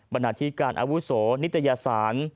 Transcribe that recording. นาธิการอาวุโสนิตยสาร